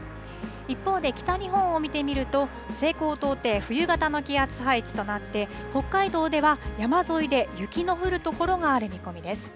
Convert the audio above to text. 一方で北日本を見てみると、西高東低、冬型の気圧配置となって、北海道では山沿いで雪の降る所がある見込みです。